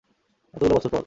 এতগুলো বছর পর!